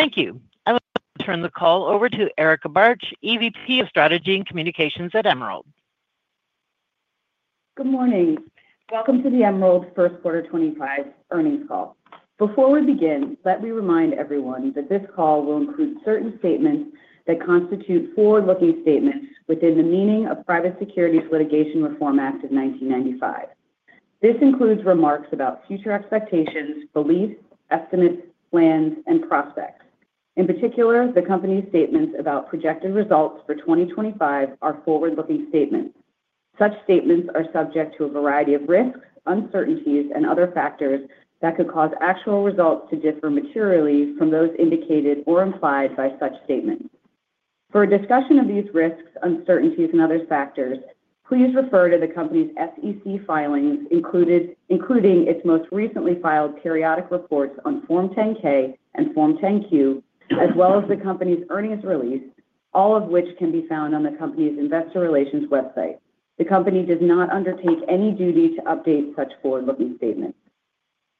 Thank you. I will now turn the call over to Erica Bartsch, EVP of Strategy and Communications at Emerald. Good morning. Welcome to the Emerald First Quarter 2025 earnings call. Before we begin, let me remind everyone that this call will include certain statements that constitute forward-looking statements within the meaning of the Private Securities Litigation Reform Act of 1995. This includes remarks about future expectations, beliefs, estimates, plans, and prospects. In particular, the company's statements about projected results for 2025 are forward-looking statements. Such statements are subject to a variety of risks, uncertainties, and other factors that could cause actual results to differ materially from those indicated or implied by such statements. For a discussion of these risks, uncertainties, and other factors, please refer to the company's SEC filings, including its most recently filed periodic reports on Form 10-K and Form 10-Q, as well as the company's earnings release, all of which can be found on the company's investor relations website. The company does not undertake any duty to update such forward-looking statements.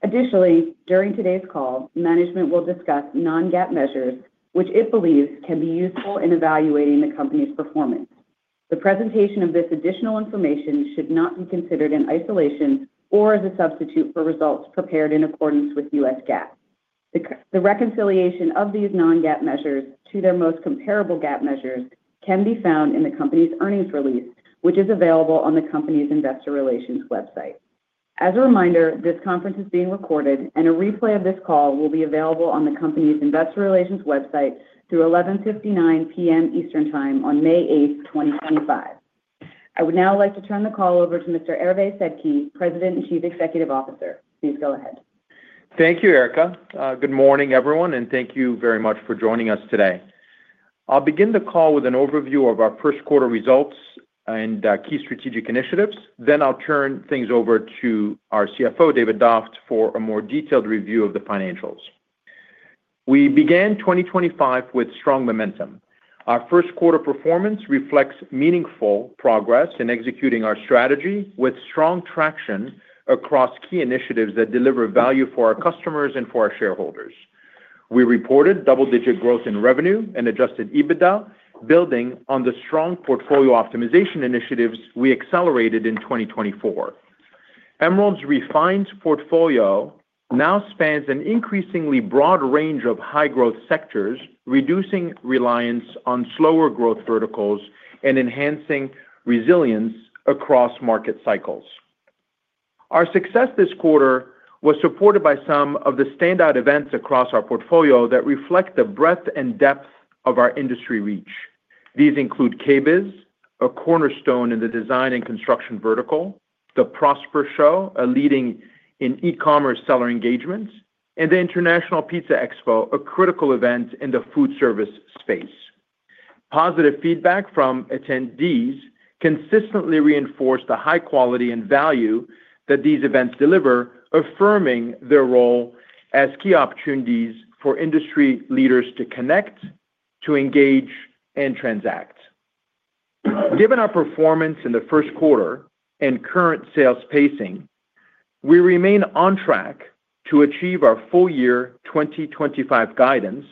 Additionally, during today's call, management will discuss non-GAAP measures, which it believes can be useful in evaluating the company's performance. The presentation of this additional information should not be considered in isolation or as a substitute for results prepared in accordance with U.S. GAAP. The reconciliation of these non-GAAP measures to their most comparable GAAP measures can be found in the company's earnings release, which is available on the company's investor relations website. As a reminder, this conference is being recorded, and a replay of this call will be available on the company's investor relations website through 11:59 P.M. Eastern Time on May 8th, 2025. I would now like to turn the call over to Mr. Hervé Sedky, President and Chief Executive Officer. Please go ahead. Thank you, Erica. Good morning, everyone, and thank you very much for joining us today. I'll begin the call with an overview of our first quarter results and key strategic initiatives. I will turn things over to our CFO, David Doft, for a more detailed review of the financials. We began 2025 with strong momentum. Our first quarter performance reflects meaningful progress in executing our strategy with strong traction across key initiatives that deliver value for our customers and for our shareholders. We reported double-digit growth in revenue and adjusted EBITDA, building on the strong portfolio optimization initiatives we accelerated in 2024. Emerald's refined portfolio now spans an increasingly broad range of high-growth sectors, reducing reliance on slower growth verticals and enhancing resilience across market cycles. Our success this quarter was supported by some of the standout events across our portfolio that reflect the breadth and depth of our industry reach. These include KBIS, a cornerstone in the design and construction vertical; the Prosper Show, a leading e-commerce seller engagement; and the International Pizza Expo, a critical event in the food service space. Positive feedback from attendees consistently reinforced the high quality and value that these events deliver, affirming their role as key opportunities for industry leaders to connect, to engage, and transact. Given our performance in the first quarter and current sales pacing, we remain on track to achieve our full-year 2025 guidance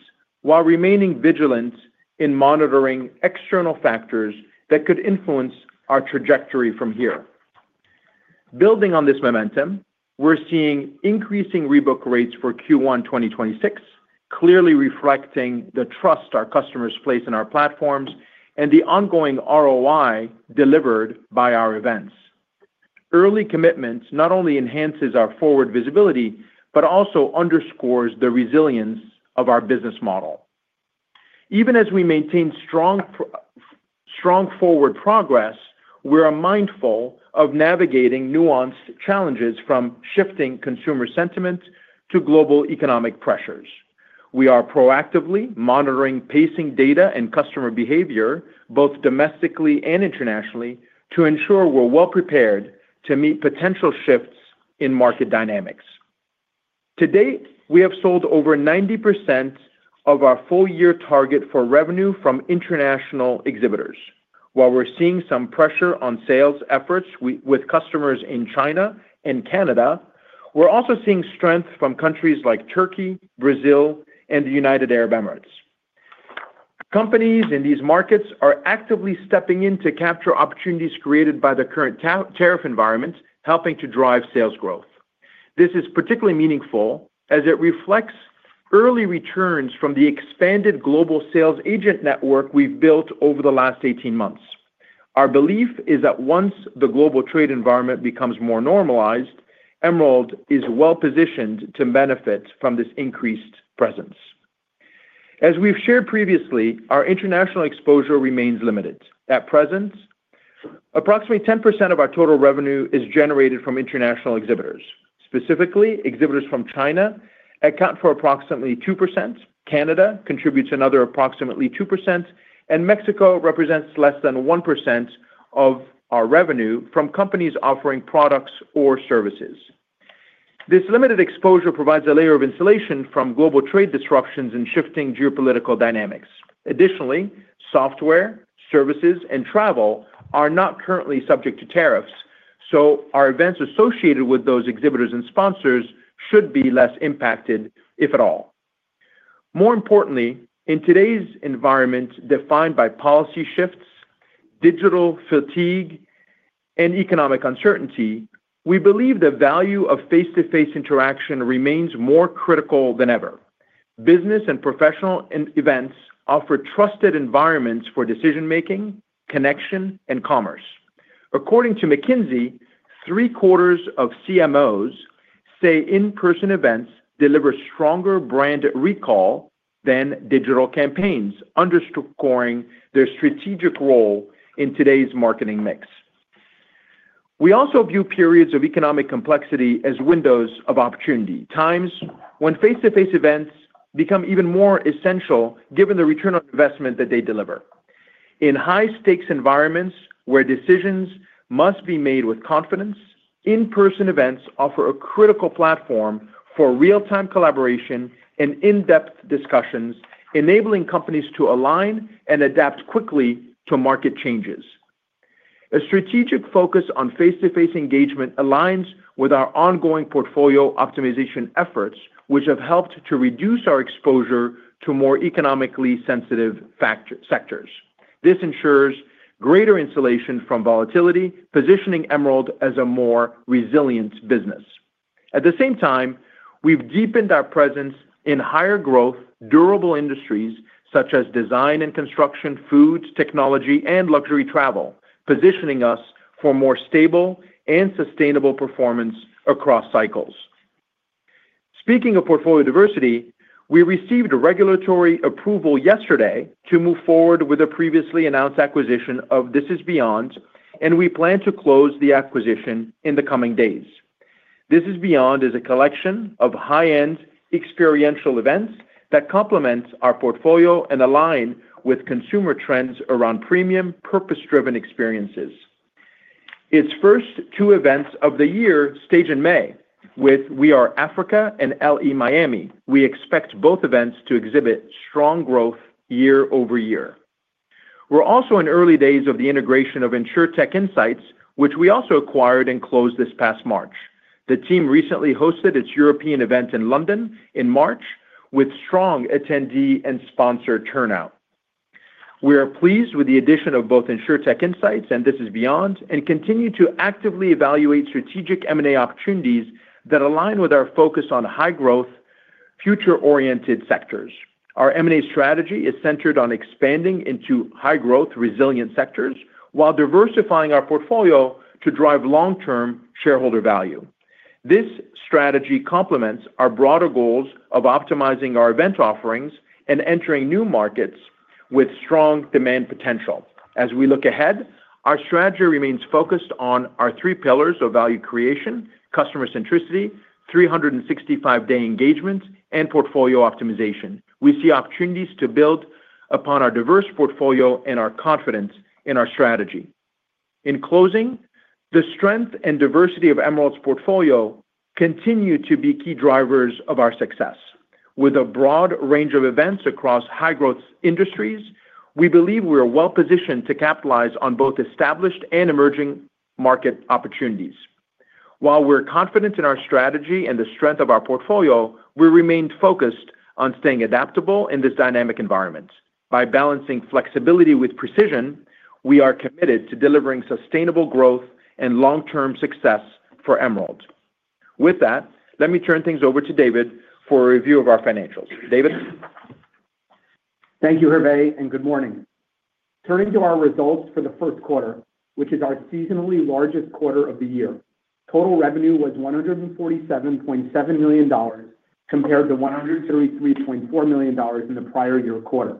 while remaining vigilant in monitoring external factors that could influence our trajectory from here. Building on this momentum, we're seeing increasing rebook rates for Q1 2026, clearly reflecting the trust our customers place in our platforms and the ongoing ROI delivered by our events. Early commitment not only enhances our forward visibility but also underscores the resilience of our business model. Even as we maintain strong forward progress, we're mindful of navigating nuanced challenges from shifting consumer sentiment to global economic pressures. We are proactively monitoring pacing data and customer behavior, both domestically and internationally, to ensure we're well prepared to meet potential shifts in market dynamics. To date, we have sold over 90% of our full-year target for revenue from international exhibitors. While we're seeing some pressure on sales efforts with customers in China and Canada, we're also seeing strength from countries like Turkey, Brazil, and the United Arab Emirates. Companies in these markets are actively stepping in to capture opportunities created by the current tariff environment, helping to drive sales growth. This is particularly meaningful as it reflects early returns from the expanded global sales agent network we've built over the last 18 months. Our belief is that once the global trade environment becomes more normalized, Emerald is well positioned to benefit from this increased presence. As we've shared previously, our international exposure remains limited. At present, approximately 10% of our total revenue is generated from international exhibitors. Specifically, exhibitors from China account for approximately 2%, Canada contributes another approximately 2%, and Mexico represents less than 1% of our revenue from companies offering products or services. This limited exposure provides a layer of insulation from global trade disruptions and shifting geopolitical dynamics. Additionally, software, services, and travel are not currently subject to tariffs, so our events associated with those exhibitors and sponsors should be less impacted, if at all. More importantly, in today's environment defined by policy shifts, digital fatigue, and economic uncertainty, we believe the value of face-to-face interaction remains more critical than ever. Business and professional events offer trusted environments for decision-making, connection, and commerce. According to McKinsey, three-quarters of CMOs say in-person events deliver stronger brand recall than digital campaigns, underscoring their strategic role in today's marketing mix. We also view periods of economic complexity as windows of opportunity, times when face-to-face events become even more essential given the return on investment that they deliver. In high-stakes environments where decisions must be made with confidence, in-person events offer a critical platform for real-time collaboration and in-depth discussions, enabling companies to align and adapt quickly to market changes. A strategic focus on face-to-face engagement aligns with our ongoing portfolio optimization efforts, which have helped to reduce our exposure to more economically sensitive sectors. This ensures greater insulation from volatility, positioning Emerald as a more resilient business. At the same time, we've deepened our presence in higher-growth, durable industries such as design and construction, foods, technology, and luxury travel, positioning us for more stable and sustainable performance across cycles. Speaking of portfolio diversity, we received a regulatory approval yesterday to move forward with a previously announced acquisition of This Is Beyond, and we plan to close the acquisition in the coming days. This Is Beyond is a collection of high-end experiential events that complement our portfolio and align with consumer trends around premium, purpose-driven experiences. Its first two events of the year stage in May with We Are Africa and LE Miami. We expect both events to exhibit strong growth year over year. We're also in early days of the integration of InsurTech Insights, which we also acquired and closed this past March. The team recently hosted its European event in London in March with strong attendee and sponsor turnout. We are pleased with the addition of both InsurTech Insights and This Is Beyond and continue to actively evaluate strategic M&A opportunities that align with our focus on high-growth, future-oriented sectors. Our M&A strategy is centered on expanding into high-growth, resilient sectors while diversifying our portfolio to drive long-term shareholder value. This strategy complements our broader goals of optimizing our event offerings and entering new markets with strong demand potential. As we look ahead, our strategy remains focused on our three pillars of value creation, customer centricity, 365-day engagement, and portfolio optimization. We see opportunities to build upon our diverse portfolio and our confidence in our strategy. In closing, the strength and diversity of Emerald's portfolio continue to be key drivers of our success. With a broad range of events across high-growth industries, we believe we are well positioned to capitalize on both established and emerging market opportunities. While we're confident in our strategy and the strength of our portfolio, we remain focused on staying adaptable in this dynamic environment. By balancing flexibility with precision, we are committed to delivering sustainable growth and long-term success for Emerald. With that, let me turn things over to David for a review of our financials. David. Thank you, Hervé, and good morning. Turning to our results for the first quarter, which is our seasonally largest quarter of the year, total revenue was $147.7 million compared to $133.4 million in the prior year quarter.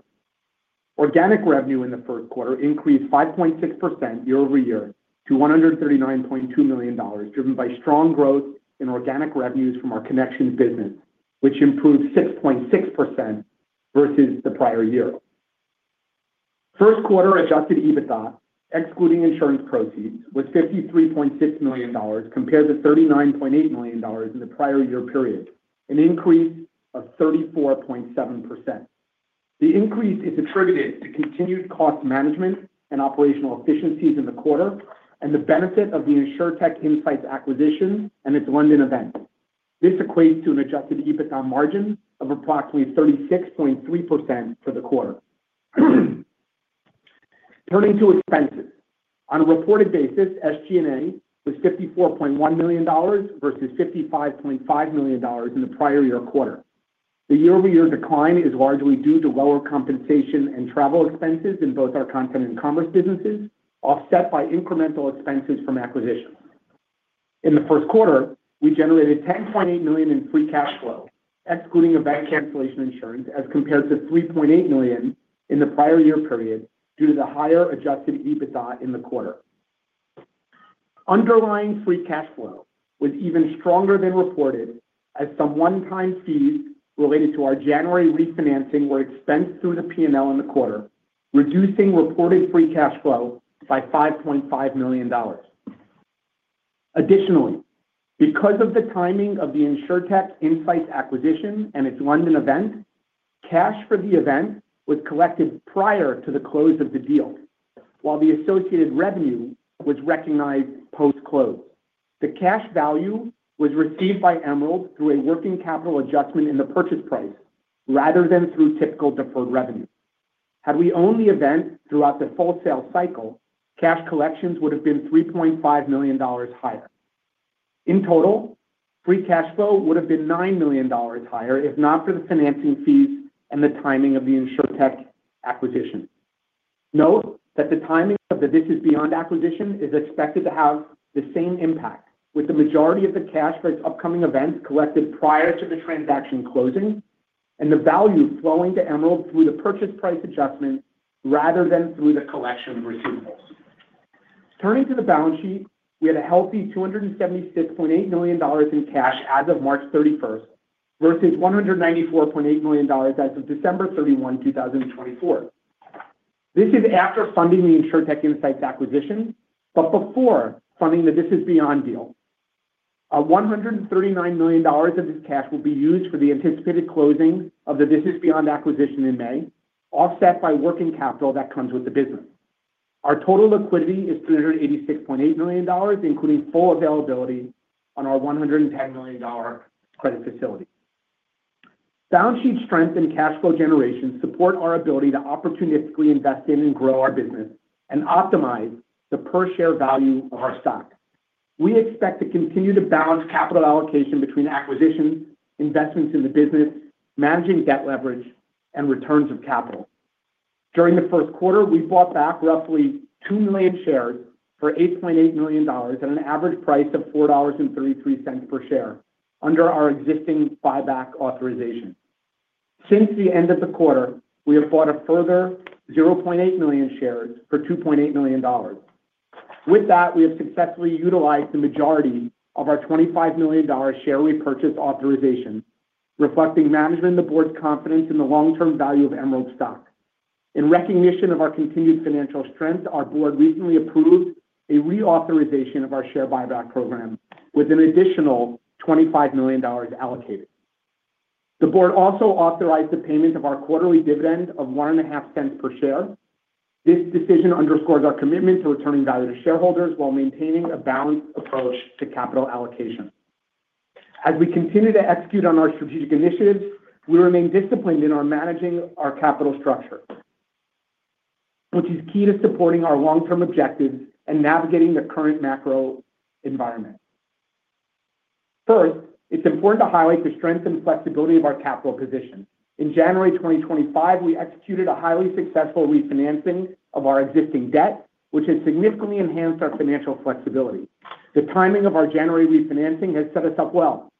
Organic revenue in the first quarter increased 5.6% year over year to $139.2 million, driven by strong growth in organic revenues from our connections business, which improved 6.6% versus the prior year. First quarter adjusted EBITDA, excluding insurance proceeds, was $53.6 million compared to $39.8 million in the prior year period, an increase of 34.7%. The increase is attributed to continued cost management and operational efficiencies in the quarter and the benefit of the InsurTech Insights acquisition and its London event. This equates to an adjusted EBITDA margin of approximately 36.3% for the quarter. Turning to expenses, on a reported basis, SG&A was $54.1 million versus $55.5 million in the prior year quarter. The year-over-year decline is largely due to lower compensation and travel expenses in both our content and commerce businesses, offset by incremental expenses from acquisitions. In the first quarter, we generated $10.8 million in free cash flow, excluding event cancellation insurance, as compared to $3.8 million in the prior year period due to the higher adjusted EBITDA in the quarter. Underlying free cash flow was even stronger than reported, as some one-time fees related to our January refinancing were expensed through the P&L in the quarter, reducing reported free cash flow by $5.5 million. Additionally, because of the timing of the InsurTech Insights acquisition and its London event, cash for the event was collected prior to the close of the deal, while the associated revenue was recognized post-close. The cash value was received by Emerald through a working capital adjustment in the purchase price rather than through typical deferred revenue. Had we owned the event throughout the full sales cycle, cash collections would have been $3.5 million higher. In total, free cash flow would have been $9 million higher if not for the financing fees and the timing of the InsurTech Insights acquisition. Note that the timing of the This Is Beyond acquisition is expected to have the same impact, with the majority of the cash for its upcoming events collected prior to the transaction closing and the value flowing to Emerald through the purchase price adjustment rather than through the collection of receivables. Turning to the balance sheet, we had a healthy $276.8 million in cash as of March 31 versus $194.8 million as of December 31, 2024. This is after funding the InsurTech Insights acquisition but before funding the This Is Beyond deal. $139 million of this cash will be used for the anticipated closing of the This Is Beyond acquisition in May, offset by working capital that comes with the business. Our total liquidity is $386.8 million, including full availability on our $110 million credit facility. Balance sheet strength and cash flow generation support our ability to opportunistically invest in and grow our business and optimize the per-share value of our stock. We expect to continue to balance capital allocation between acquisitions, investments in the business, managing debt leverage, and returns of capital. During the first quarter, we bought back roughly 2 million shares for $8.8 million at an average price of $4.33 per share under our existing buyback authorization. Since the end of the quarter, we have bought a further 0.8 million shares for $2.8 million. With that, we have successfully utilized the majority of our $25 million share repurchase authorization, reflecting management and the board's confidence in the long-term value of Emerald stock. In recognition of our continued financial strength, our board recently approved a reauthorization of our share buyback program with an additional $25 million allocated. The board also authorized the payment of our quarterly dividend of $0.015 per share. This decision underscores our commitment to returning value to shareholders while maintaining a balanced approach to capital allocation. As we continue to execute on our strategic initiatives, we remain disciplined in our managing our capital structure, which is key to supporting our long-term objectives and navigating the current macro environment. First, it's important to highlight the strength and flexibility of our capital position. In January 2025, we executed a highly successful refinancing of our existing debt, which has significantly enhanced our financial flexibility. The timing of our January refinancing has set us up well.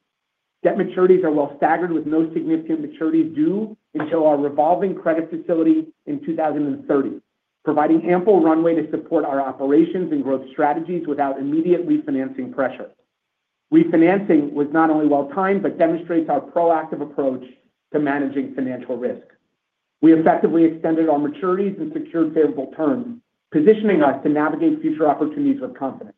Debt maturities are well staggered with no significant maturities due until our revolving credit facility in 2030, providing ample runway to support our operations and growth strategies without immediate refinancing pressure. Refinancing was not only well timed but demonstrates our proactive approach to managing financial risk. We effectively extended our maturities and secured favorable terms, positioning us to navigate future opportunities with confidence.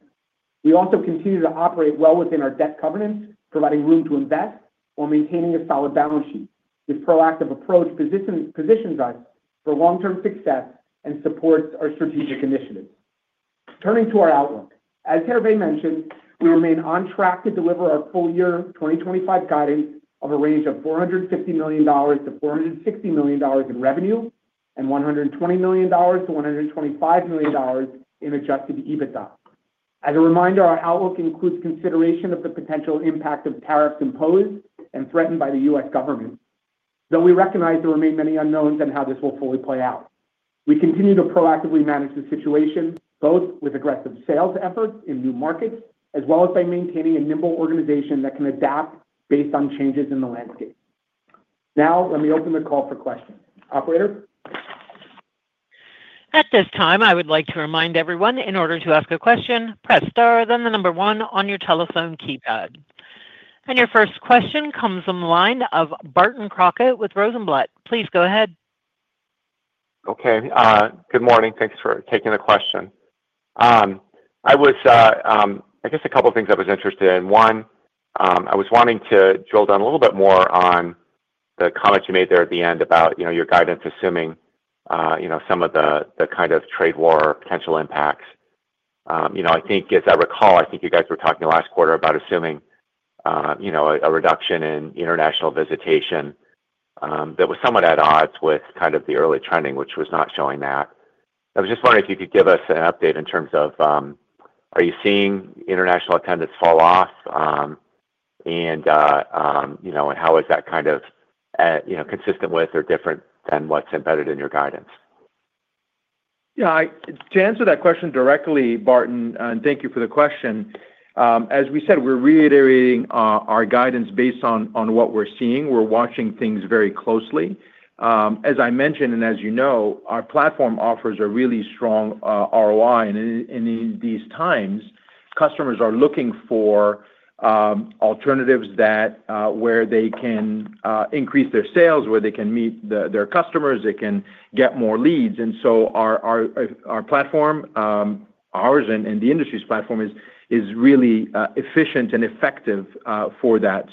We also continue to operate well within our debt covenants, providing room to invest while maintaining a solid balance sheet. This proactive approach positions us for long-term success and supports our strategic initiatives. Turning to our outlook, as Hervé mentioned, we remain on track to deliver our full year 2025 guidance of a range of $450 million-$460 million in revenue and $120 million-$125 million in adjusted EBITDA. As a reminder, our outlook includes consideration of the potential impact of tariffs imposed and threatened by the U.S. government, though we recognize there remain many unknowns on how this will fully play out. We continue to proactively manage the situation, both with aggressive sales efforts in new markets as well as by maintaining a nimble organization that can adapt based on changes in the landscape. Now, let me open the call for questions. Operator. At this time, I would like to remind everyone in order to ask a question, press star, then the number one on your telephone keypad. Your first question comes on the line of Barton Crockett with Rosenblatt. Please go ahead. Okay. Good morning. Thanks for taking the question. I guess a couple of things I was interested in. One, I was wanting to drill down a little bit more on the comments you made there at the end about your guidance assuming some of the kind of trade war potential impacts. I think, as I recall, I think you guys were talking last quarter about assuming a reduction in international visitation that was somewhat at odds with kind of the early trending, which was not showing that. I was just wondering if you could give us an update in terms of, are you seeing international attendance fall off? And how is that kind of consistent with or different than what's embedded in your guidance? Yeah. To answer that question directly, Barton, and thank you for the question. As we said, we're reiterating our guidance based on what we're seeing. We're watching things very closely. As I mentioned and as you know, our platform offers a really strong ROI. In these times, customers are looking for alternatives where they can increase their sales, where they can meet their customers, they can get more leads. Our platform, ours and the industry's platform, is really efficient and effective for that.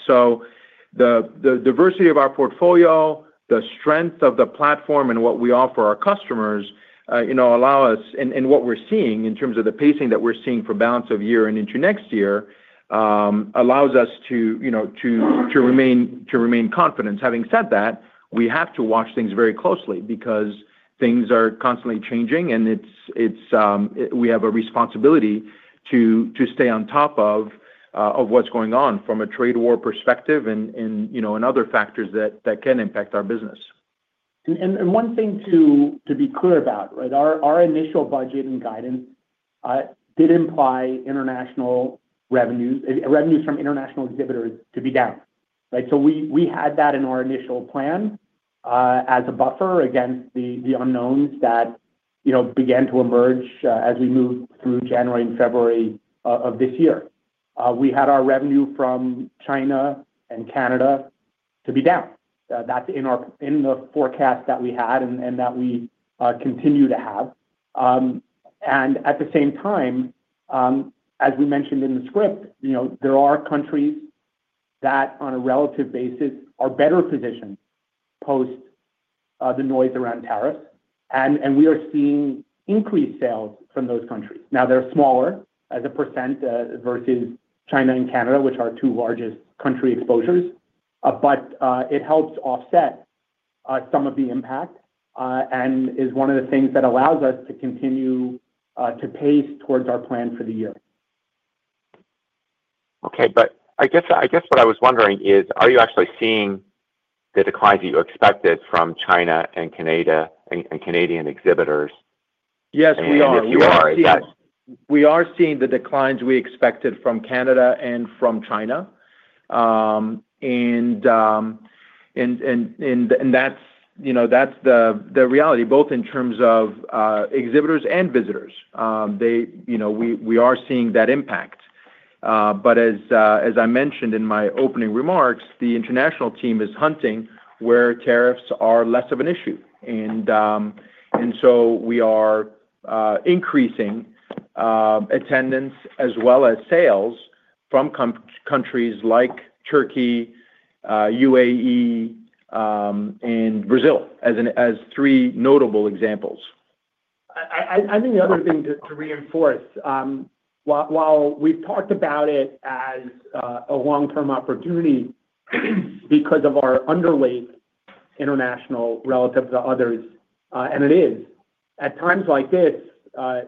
The diversity of our portfolio, the strength of the platform, and what we offer our customers allow us, and what we're seeing in terms of the pacing that we're seeing for balance of year and into next year allows us to remain confident. Having said that, we have to watch things very closely because things are constantly changing, and we have a responsibility to stay on top of what's going on from a trade war perspective and other factors that can impact our business. One thing to be clear about, right? Our initial budget and guidance did imply international revenues from international exhibitors to be down. We had that in our initial plan as a buffer against the unknowns that began to emerge as we moved through January and February of this year. We had our revenue from China and Canada to be down. That is in the forecast that we had and that we continue to have. At the same time, as we mentioned in the script, there are countries that, on a relative basis, are better positioned post the noise around tariffs. We are seeing increased sales from those countries. Now, they are smaller as a percent versus China and Canada, which are our two largest country exposures. It helps offset some of the impact and is one of the things that allows us to continue to pace towards our plan for the year. Okay. I guess what I was wondering is, are you actually seeing the declines that you expected from China and Canadian exhibitors? Yes, we are. You are. We are seeing the declines we expected from Canada and from China. That is the reality, both in terms of exhibitors and visitors. We are seeing that impact. As I mentioned in my opening remarks, the international team is hunting where tariffs are less of an issue. We are increasing attendance as well as sales from countries like Turkey, UAE, and Brazil as three notable examples. I think the other thing to reinforce, while we've talked about it as a long-term opportunity because of our underlay international relative to others, and it is, at times like this,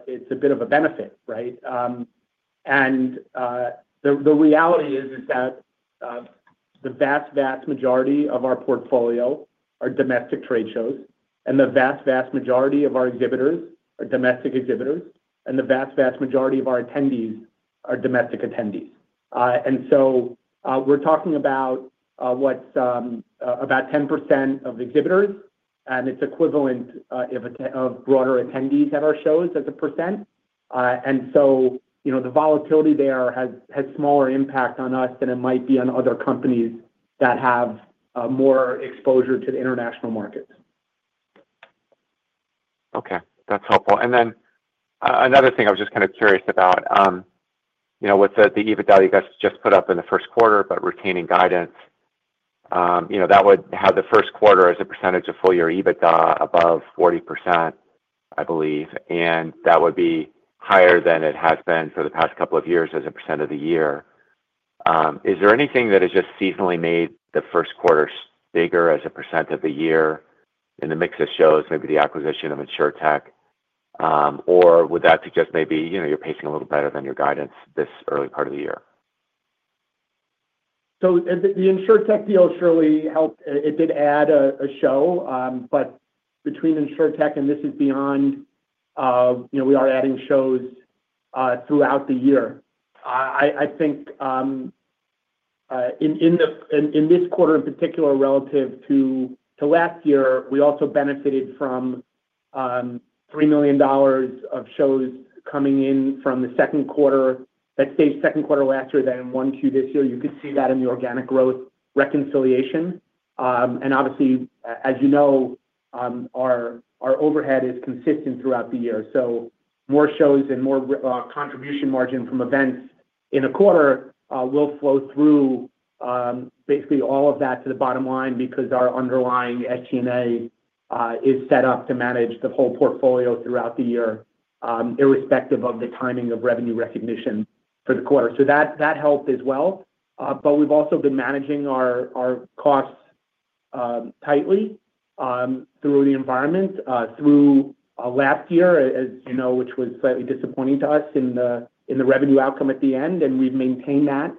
it's a bit of a benefit, right? The reality is that the vast, vast majority of our portfolio are domestic trade shows, and the vast, vast majority of our exhibitors are domestic exhibitors, and the vast, vast majority of our attendees are domestic attendees. We're talking about about 10% of exhibitors, and it's equivalent of broader attendees at our shows as a percent. The volatility there has smaller impact on us than it might be on other companies that have more exposure to the international markets. Okay. That's helpful. Then another thing I was just kind of curious about with the EBITDA you guys just put up in the first quarter about retaining guidance, that would have the first quarter as a percentage of full year EBITDA above 40%, I believe. That would be higher than it has been for the past couple of years as a percent of the year. Is there anything that has just seasonally made the first quarter bigger as a percent of the year in the mix of shows, maybe the acquisition of InsurTech? Or would that suggest maybe you're pacing a little better than your guidance this early part of the year? The InsurTech deal surely helped. It did add a show. Between InsurTech and This Is Beyond, we are adding shows throughout the year. I think in this quarter in particular, relative to last year, we also benefited from $3 million of shows coming in from the second quarter that stayed second quarter last year than one Q this year. You could see that in the organic growth reconciliation. Obviously, as you know, our overhead is consistent throughout the year. More shows and more contribution margin from events in a quarter will flow through basically all of that to the bottom line because our underlying SG&A is set up to manage the whole portfolio throughout the year, irrespective of the timing of revenue recognition for the quarter. That helped as well. We have also been managing our costs tightly through the environment, through last year, as you know, which was slightly disappointing to us in the revenue outcome at the end. We have maintained that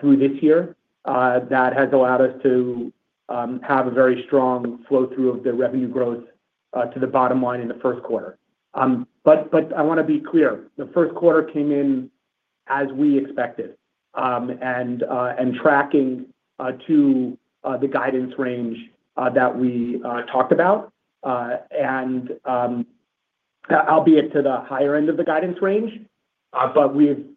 through this year. That has allowed us to have a very strong flow through of the revenue growth to the bottom line in the first quarter. I want to be clear. The first quarter came in as we expected and tracking to the guidance range that we talked about, albeit to the higher end of the guidance range.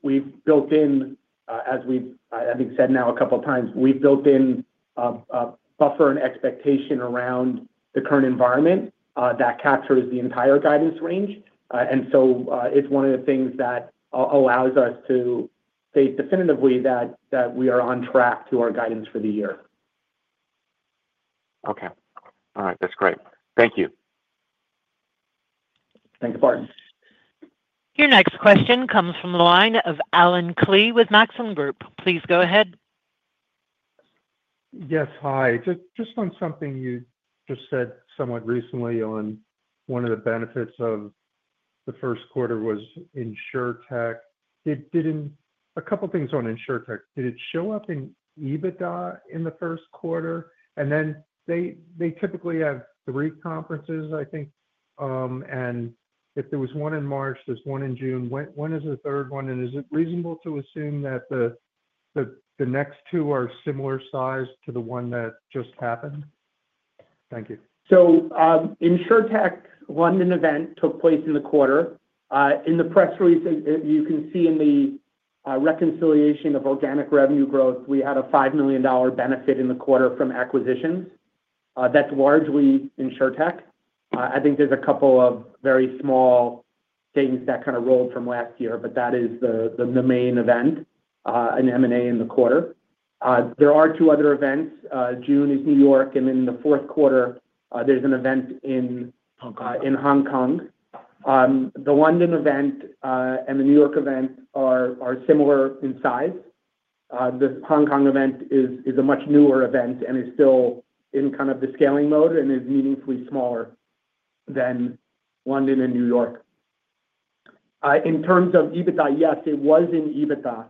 We have built in, as we have, I think, said now a couple of times, we have built in a buffer and expectation around the current environment that captures the entire guidance range. It is one of the things that allows us to state definitively that we are on track to our guidance for the year. Okay. All right. That's great. Thank you. Thanks, Bart. Your next question comes from the line of Allen Klee with Maxim Group. Please go ahead. Yes. Hi. Just on something you just said somewhat recently on one of the benefits of the first quarter was InsurTech. A couple of things on InsurTech. Did it show up in EBITDA in the first quarter? Then they typically have three conferences, I think. If there was one in March, there is one in June. When is the third one? Is it reasonable to assume that the next two are similar sized to the one that just happened? Thank you. InsurTech Insights London event took place in the quarter. In the press release, you can see in the reconciliation of organic revenue growth, we had a $5 million benefit in the quarter from acquisitions. That's largely InsurTech Insights. I think there's a couple of very small things that kind of rolled from last year, but that is the main event, an M&A in the quarter. There are two other events. June is New York. In the fourth quarter, there's an event in Hong Kong. The London event and the New York event are similar in size. The Hong Kong event is a much newer event and is still in kind of the scaling mode and is meaningfully smaller than London and New York. In terms of EBITDA, yes, it was in EBITDA.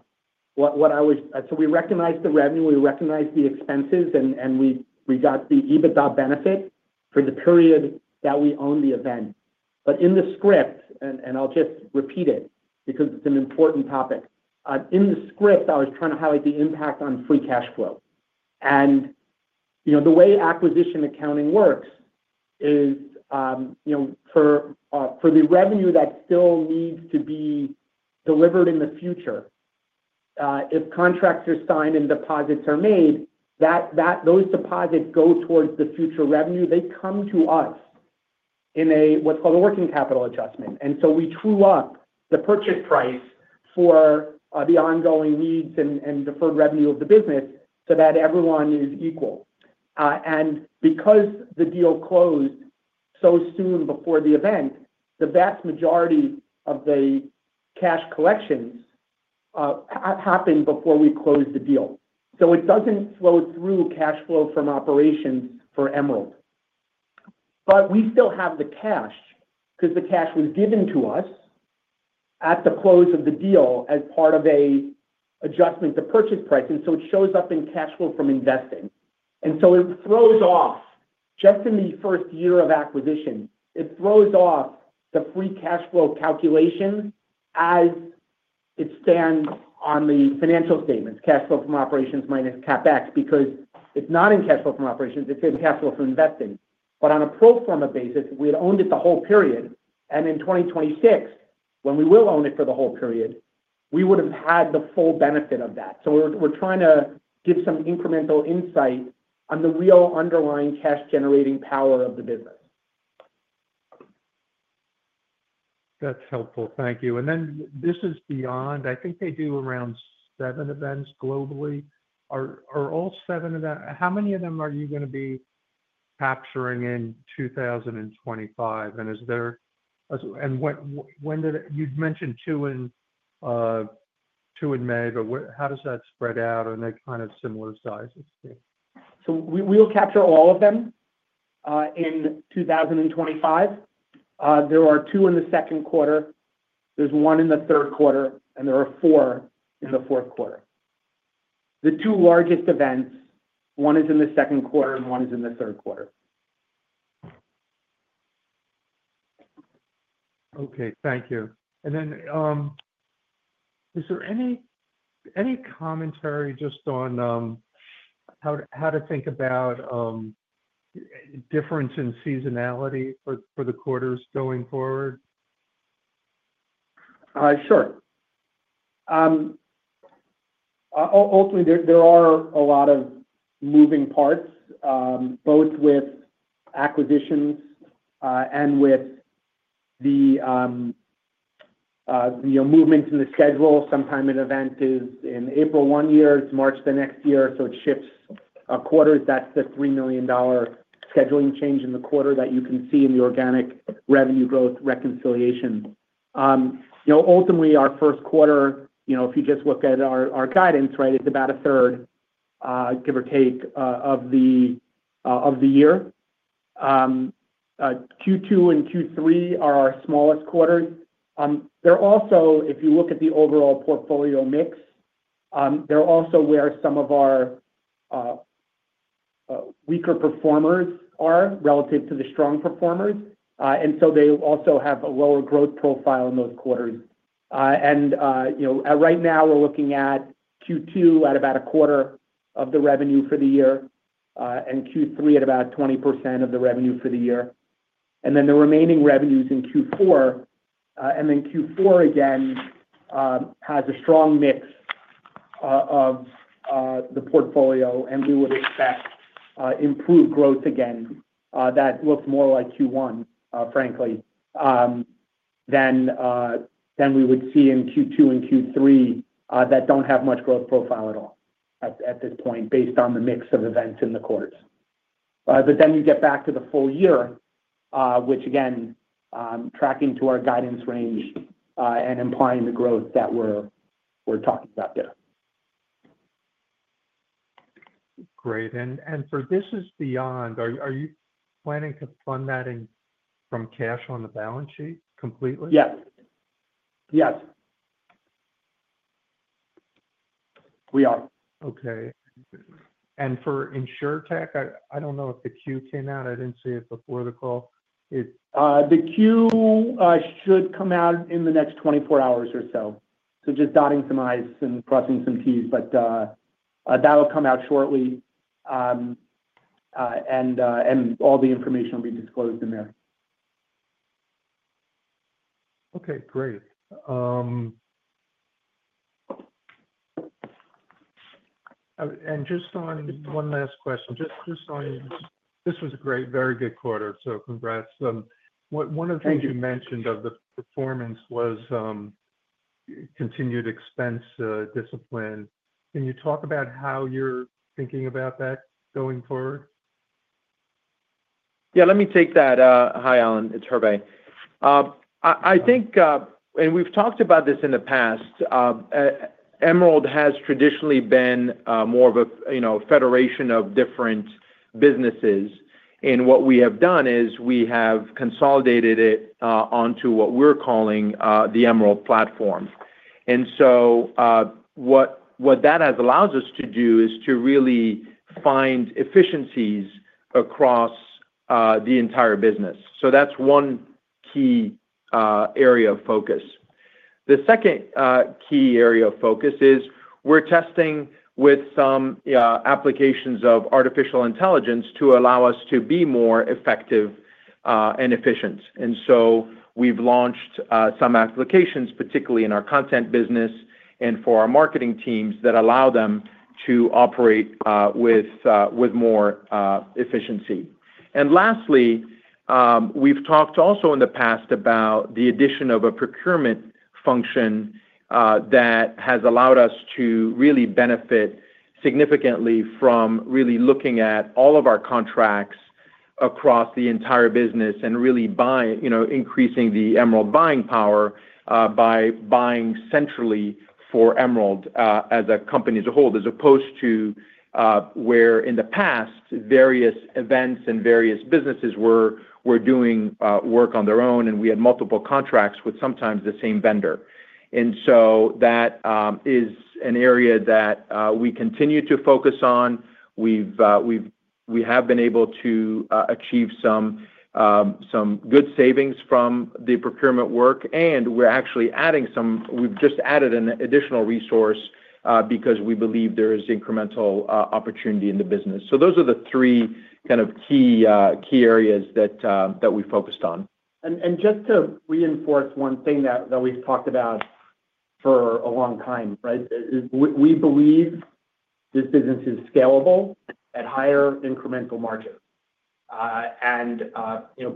We recognized the revenue. We recognized the expenses, and we got the EBITDA benefit for the period that we owned the event. In the script, and I'll just repeat it because it's an important topic. In the script, I was trying to highlight the impact on free cash flow. The way acquisition accounting works is for the revenue that still needs to be delivered in the future, if contracts are signed and deposits are made, those deposits go towards the future revenue. They come to us in what's called a working capital adjustment. We true up the purchase price for the ongoing needs and deferred revenue of the business so that everyone is equal. Because the deal closed so soon before the event, the vast majority of the cash collections happened before we closed the deal. It doesn't flow through cash flow from operations for Emerald. We still have the cash because the cash was given to us at the close of the deal as part of an adjustment to purchase price. It shows up in cash flow from investing. It throws off just in the first year of acquisition. It throws off the free cash flow calculation as it stands on the financial statements, cash flow from operations minus CapEx, because it is not in cash flow from operations. It is in cash flow from investing. On a pro forma basis, if we had owned it the whole period, and in 2026, when we will own it for the whole period, we would have had the full benefit of that. We are trying to give some incremental insight on the real underlying cash-generating power of the business. That's helpful. Thank you. This Is Beyond, I think they do around seven events globally. Are all seven of that, how many of them are you going to be capturing in 2025? You mentioned two in May, but how does that spread out? Are they kind of similar sizes? We'll capture all of them in 2025. There are two in the second quarter. There's one in the third quarter, and there are four in the fourth quarter. The two largest events, one is in the second quarter and one is in the third quarter. Thank you. Is there any commentary just on how to think about difference in seasonality for the quarters going forward? Sure. Ultimately, there are a lot of moving parts, both with acquisitions and with the movements in the schedule. Sometimes an event is in April one year, it's March the next year. It shifts quarters. That's the $3 million scheduling change in the quarter that you can see in the organic revenue growth reconciliation. Ultimately, our first quarter, if you just look at our guidance, right, it's about a third, give or take, of the year. Q2 and Q3 are our smallest quarters. If you look at the overall portfolio mix, they're also where some of our weaker performers are relative to the strong performers. They also have a lower growth profile in those quarters. Right now, we're looking at Q2 at about a quarter of the revenue for the year and Q3 at about 20% of the revenue for the year. The remaining revenues are in Q4. Q4 again has a strong mix of the portfolio, and we would expect improved growth again. That looks more like Q1, frankly, than we would see in Q2 and Q3 that do not have much growth profile at all at this point based on the mix of events in the quarters. You get back to the full year, which again is tracking to our guidance range and implying the growth that we are talking about there. Great. For This Is Beyond, are you planning to fund that from cash on the balance sheet completely? Yes. Yes. We are. Okay. For InsurTech, I do not know if the queue came out. I did not see it before the call. The queue should come out in the next 24 hours or so. Just dotting some i's and crossing some t's, but that'll come out shortly. All the information will be disclosed in there. Okay. Great. Just on one last question. This was a very good quarter, so congrats. One of the things you mentioned of the performance was continued expense discipline. Can you talk about how you're thinking about that going forward? Yeah. Let me take that. Hi, Allen. It's Hervé. We've talked about this in the past. Emerald has traditionally been more of a federation of different businesses. What we have done is we have consolidated it onto what we're calling the Emerald Platform. What that has allowed us to do is to really find efficiencies across the entire business. That's one key area of focus. The second key area of focus is we're testing with some applications of artificial intelligence to allow us to be more effective and efficient. We've launched some applications, particularly in our content business and for our marketing teams that allow them to operate with more efficiency. Lastly, we've talked also in the past about the addition of a procurement function that has allowed us to really benefit significantly from really looking at all of our contracts across the entire business and really increasing the Emerald buying power by buying centrally for Emerald as a company as a whole, as opposed to where in the past, various events and various businesses were doing work on their own, and we had multiple contracts with sometimes the same vendor. That is an area that we continue to focus on. We have been able to achieve some good savings from the procurement work, and we're actually adding some we've just added an additional resource because we believe there is incremental opportunity in the business. Those are the three kind of key areas that we focused on. Just to reinforce one thing that we've talked about for a long time, right, we believe this business is scalable at higher incremental margins.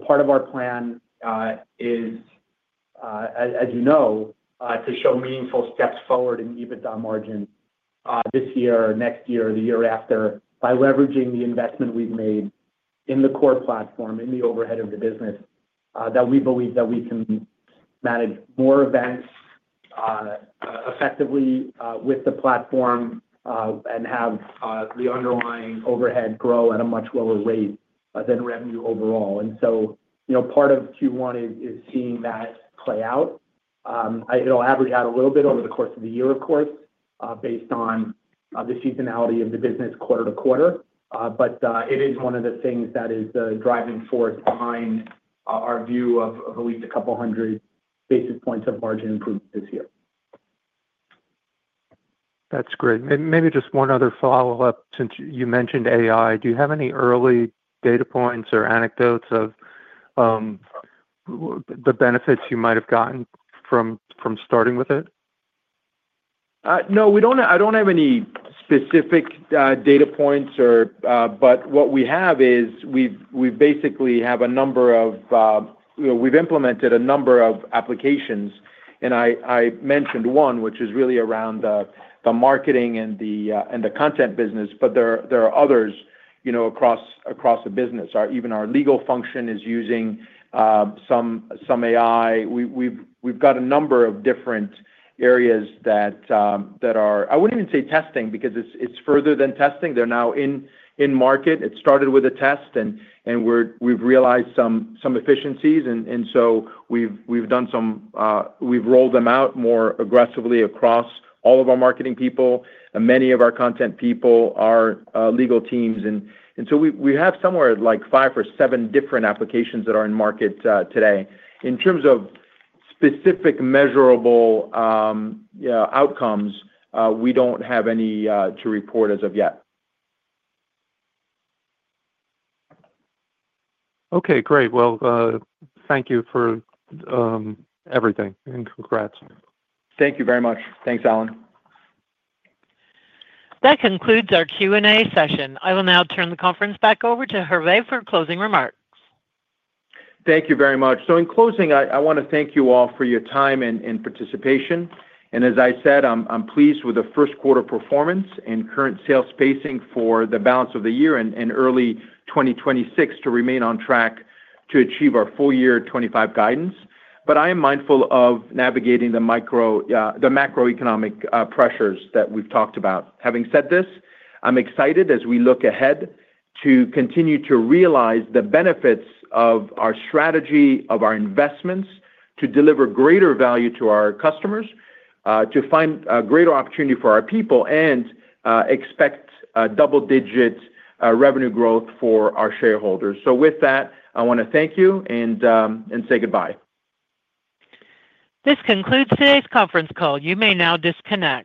Part of our plan is, as you know, to show meaningful steps forward in EBITDA margin this year, next year, the year after, by leveraging the investment we've made in the core platform, in the overhead of the business, that we believe that we can manage more events effectively with the platform and have the underlying overhead grow at a much lower rate than revenue overall. Part of Q1 is seeing that play out. It'll average out a little bit over the course of the year, of course, based on the seasonality of the business quarter to quarter. It is one of the things that is the driving force behind our view of at least a couple hundred basis points of margin improvement this year. That's great. Maybe just one other follow-up. Since you mentioned AI, do you have any early data points or anecdotes of the benefits you might have gotten from starting with it? No, I don't have any specific data points. What we have is we basically have a number of we've implemented a number of applications. I mentioned one, which is really around the marketing and the content business, but there are others across the business. Even our legal function is using some AI. We've got a number of different areas that are I wouldn't even say testing because it's further than testing. They're now in market. It started with a test, and we've realized some efficiencies. We've rolled them out more aggressively across all of our marketing people. Many of our content people, our legal teams. We have somewhere like five or seven different applications that are in market today. In terms of specific measurable outcomes, we don't have any to report as of yet. Okay. Great. Thank you for everything. And congrats. Thank you very much. Thanks, Allen. That concludes our Q&A session. I will now turn the conference back over to Hervé for closing remarks. Thank you very much. In closing, I want to thank you all for your time and participation. As I said, I'm pleased with the first quarter performance and current sales pacing for the balance of the year and early 2026 to remain on track to achieve our full year 2025 guidance. I am mindful of navigating the macroeconomic pressures that we've talked about. Having said this, I'm excited as we look ahead to continue to realize the benefits of our strategy, of our investments, to deliver greater value to our customers, to find a greater opportunity for our people, and expect double-digit revenue growth for our shareholders. With that, I want to thank you and say goodbye. This concludes today's conference call. You may now disconnect.